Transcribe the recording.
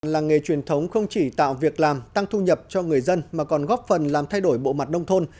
làng nghề truyền thống không chỉ tạo việc làm tăng thu nhập cho người dân mà còn góp phần làm thay đổi bộ mặt nông thôn